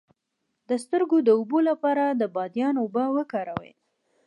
د سترګو د اوبو لپاره د بادیان اوبه وکاروئ